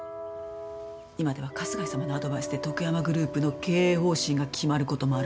今では春日井様のアドバイスでとくやまグループの経営方針が決まる事もあるそうよ。